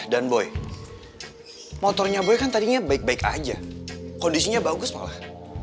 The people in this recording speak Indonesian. dan boy motornya boy kan tadinya baik baik aja kondisinya bagus malah